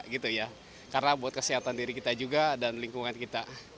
karena buat kesehatan diri kita juga dan lingkungan kita